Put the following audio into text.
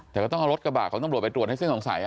แต่ก็ต้องเอารถกระบาดของตำรวจไปตรวจให้สิ้นสงสัย